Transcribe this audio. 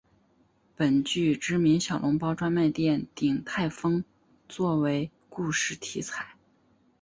本剧知名小笼包专卖店鼎泰丰做为故事题材。